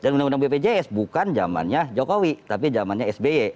dan undang undang bpjs bukan zamannya jokowi tapi zamannya sby